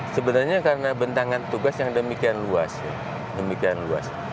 sebenarnya karena bentangan tugas yang demikian luas